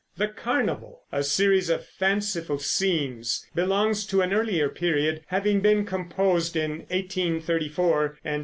"The Carnival," a series of fanciful scenes, belongs to an earlier period, having been composed in 1834 and 1835.